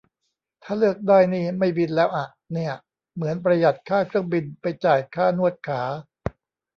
ถ้าเลือกได้นี่ไม่บินแล้วอะ เนี่ย เหมือนประหยัดค่าเครื่องบินไปจ่ายค่านวดขา